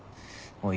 ・おい！